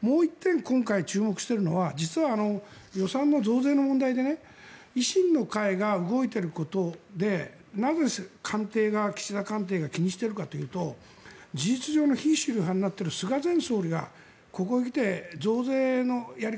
もう１点、今回注目してるのは実は予算の増税の問題で維新の会が動いていることでなぜ、岸田官邸が気にしているかというと事実上の非主流派になっている菅前総理がここへ来て増税のやり方